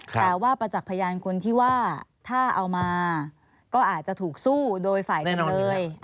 แต่ว่าประจักษ์พยานคนที่ว่าถ้าเอามาก็อาจจะถูกสู้โดยฝ่ายจำเลย